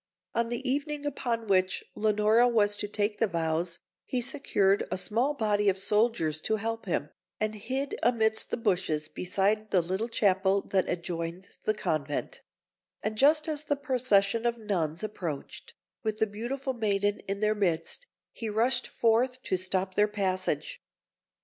On the evening upon which Leonora was to take the vows, he secured a small body of soldiers to help him, and hid amidst the bushes beside the little chapel that adjoined the convent; and just as the procession of nuns approached, with the beautiful maiden in their midst, he rushed forth to stop their passage.